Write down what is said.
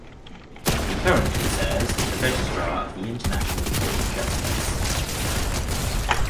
He currently serves as the registrar of the International Court of Justice.